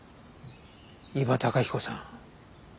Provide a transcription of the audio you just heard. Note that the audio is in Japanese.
伊庭崇彦さん